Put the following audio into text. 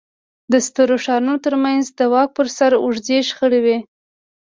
د سترو ښارونو ترمنځ د واک پر سر اوږدې شخړې وې